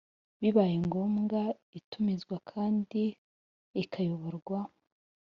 bibaye ngombwa itumizwa kandi ikayoborwa